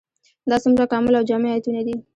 دا څومره کامل او جامع آيتونه دي ؟